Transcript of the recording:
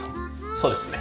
そうですね。